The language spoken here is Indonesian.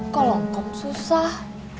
kalau engkong susah